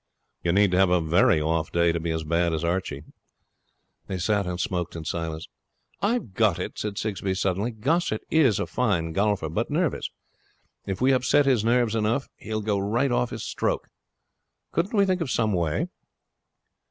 'You need to have a very off day to be as bad as Archie.' They sat and smoked in silence. 'I've got it,' said Sigsbee suddenly. 'Gossett is a fine golfer, but nervous. If we upset his nerves enough, he will go right off his stroke. Couldn't we think of some way?'